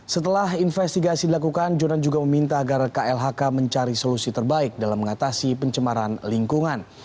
setelah investigasi dilakukan jonan juga meminta agar klhk mencari solusi terbaik dalam mengatasi pencemaran lingkungan